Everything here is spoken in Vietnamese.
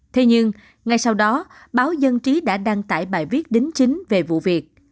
thế nhưng ngay sau đó báo dân trí đã đăng tải bài viết đính chính về vụ việc